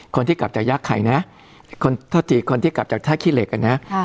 คนที่กลับจากยากไข่นะคนที่กลับจากท่าขี้เหล็กเนี้ย